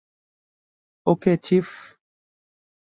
ওকে, chief.